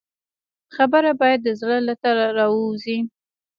خبره باید د زړه له تله راووځي.